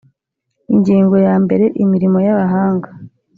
ingingo ya mbere imirimo y abahanga